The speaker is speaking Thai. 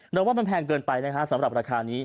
เราว่ามันแพงเกินไปนะฮะสำหรับราคานี้